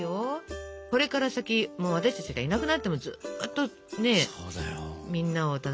これから先もう私たちがいなくなってもずっとみんなを楽しませていくわけだから。